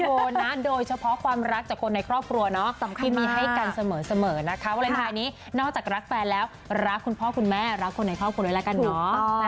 นะโดยเฉพาะความรักจากคนในครอบครัวเนาะที่มีให้กันเสมอนะคะวาเลนไทยนี้นอกจากรักแฟนแล้วรักคุณพ่อคุณแม่รักคนในครอบครัวด้วยแล้วกันเนอะ